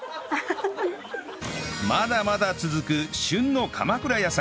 まだまだ続く旬の鎌倉野菜